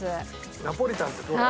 ナポリタンってどれ？